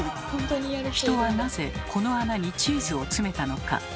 人はなぜこの穴にチーズを詰めたのか？